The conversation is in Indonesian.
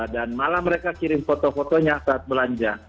dan malam mereka kirim foto fotonya saat belanja